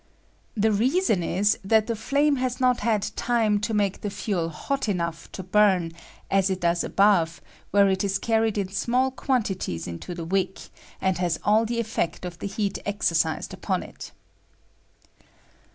The reason is, that the flame has not bad time to make the fuel hot enough to burn, as it does above, where it is carried in small quantities into the wick, and haa all the effect of the heat exercised upon it.